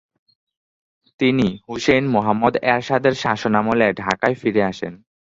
তিনি হুসেইন মুহাম্মদ এরশাদের শাসনামলে ঢাকায় ফিরে আসেন।